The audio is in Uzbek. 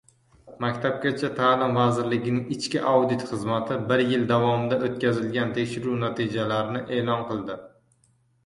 Maktabgacha taʼlim vazirligining Ichki audit xizmati bir yil davomida oʻtkazilgan tekshiruv natijalarni eʼlon qildi.